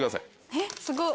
えっすごっ。